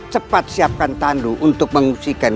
cepat siapkan tandu untuk mengungsikan